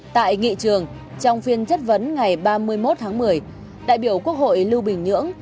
tại nghị trường trong phiên chất vấn ngày ba mươi một tháng một mươi đại biểu quốc hội lưu bình nhưỡng